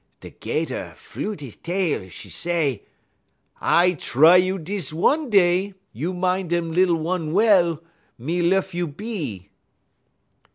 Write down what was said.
"Da 'Gator flut 'e tail; 'e say: "'I try you dis one day; you min' dem lil one well, me luf you be.'